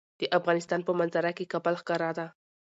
د افغانستان په منظره کې کابل ښکاره ده.